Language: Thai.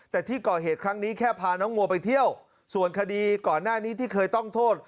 แต่ที่ก่อเหตุครั้งนี้แค่พาน้องมัวไปเที่ยวส่วนคดีก่อนหน้านี้ที่เคยต้องโทษ